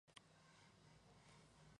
Habita en el Congo y Kinshasa.